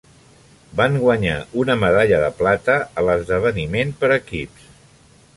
Van guanyar una medalla de plata a l'esdeveniment per equips.